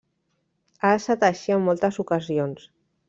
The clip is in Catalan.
Ha estat així en moltes ocasions.